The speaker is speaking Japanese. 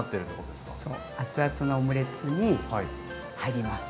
熱々のオムレツに入ります。